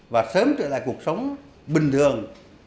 và sớm trở lại cuộc sống bình thường